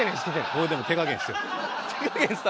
これでも手加減してる。